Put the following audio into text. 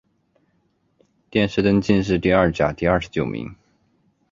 殿试登进士第二甲第二十九名。